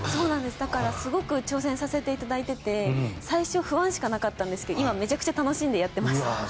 だからすごく挑戦させていただいて最初不安しかなかったんですけど今めちゃめちゃ楽しんでやっています。